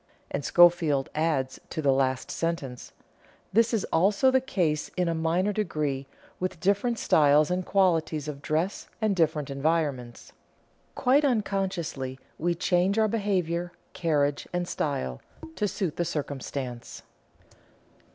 And Schofield adds to the last sentence: "This is also the case in a minor degree with different styles and qualities of dress and different environments. Quite unconsciously we change our behavior, carriage, and style, to suit the circumstance."